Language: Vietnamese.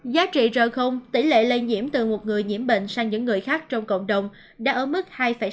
giá trị rời không tỷ lệ lây nhiễm từ một người nhiễm bệnh sang những người khác trong cộng đồng đã ở mức hai sáu mươi chín